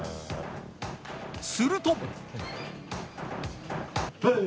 すると。